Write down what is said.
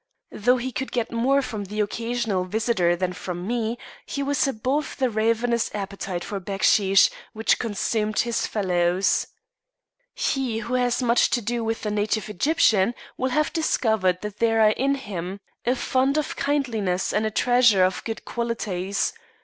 Though he could get more from the occasional visitor than from me, he was above the ravenous appetite for backsheesh which consumed his fellows. He who has much to do with the native Egyptian will have discovered that there are in him a fund of kindliness and a treasure of good qualities.